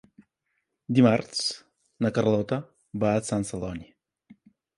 Dimarts na Carlota va a Sant Celoni.